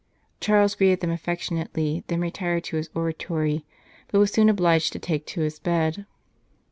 Charles greeted them affectionately, then retired to his oratory, but was soon obliged to take to his bed.